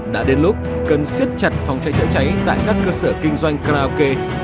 đã đến lúc cần siết chặt phòng cháy chữa cháy tại các cơ sở kinh doanh karaoke